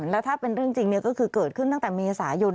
แล้วถ้าเป็นเรื่องจริงก็คือเกิดขึ้นตั้งแต่เมษายน